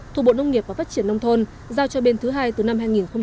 thủ bộ nông nghiệp và phát triển nông thôn giao cho bên thứ hai từ năm hai nghìn một mươi